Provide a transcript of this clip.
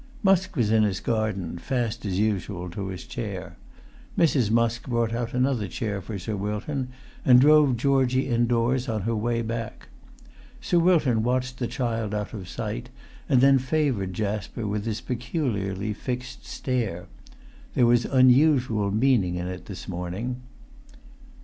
Musk was in his garden, fast as usual to his chair. Mrs. Musk brought out another chair for Sir Wilton, and drove Georgie indoors on her way back. Sir Wilton watched the child out of sight, and then favoured Jasper with his peculiarly fixed stare. There was unusual meaning in it this morning.